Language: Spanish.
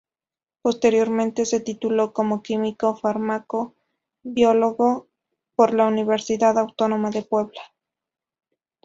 Posteriormente se tituló como Químico Fármaco Biólogo por la Universidad Autónoma de Puebla.